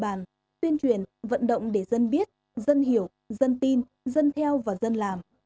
bảo đảm tuyên truyền vận động để dân biết dân hiểu dân tin dân theo và dân làm